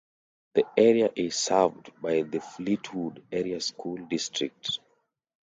The area is served by the Fleetwood Area School District.